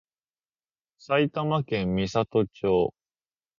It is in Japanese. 埼玉県美里町